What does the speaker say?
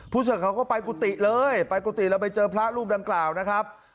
สื่อเขาก็ไปกุฏิเลยไปกุฏิแล้วไปเจอพระรูปดังกล่าวนะครับ